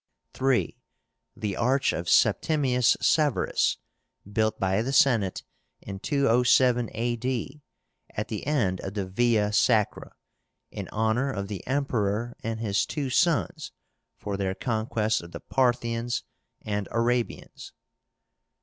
3. The ARCH OF SEPTIMIUS SEVERUS, built by the Senate in 207 A. D., at the end of the Via Sacra, in honor of the Emperor and his two sons for their conquest of the Parthians and Arabians.